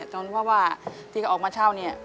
เพราะว่าที่เขาออกมาเช่าเนี่ย